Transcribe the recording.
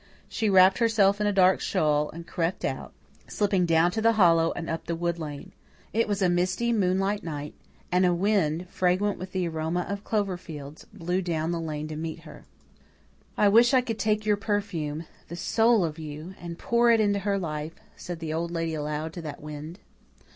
She wrapped herself in a dark shawl and crept out, slipping down to the hollow and up the wood lane. It was a misty, moonlight night, and a wind, fragrant with the aroma of clover fields, blew down the lane to meet her. "I wish I could take your perfume the soul of you and pour it into her life," said the Old Lady aloud to that wind.